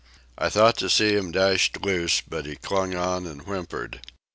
I thought to see him dashed loose, but he clung on and whimpered.